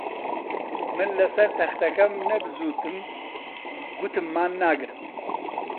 من لەسەر تەختەکەم نەبزووتم، گوتم مان ناگرم